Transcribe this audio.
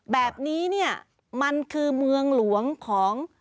แบบนี้เนี่ยมันคือเมืองหลวงของ